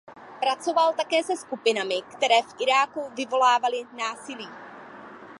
Pracoval také se skupinami, které v Iráku vyvolávaly násilí.